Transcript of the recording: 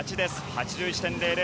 ８１．００。